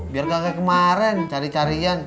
biar kagak kemaren cari carian